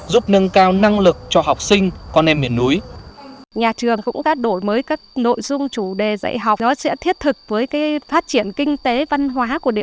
giúp nâng cao năng lực cho học sinh con em miền núi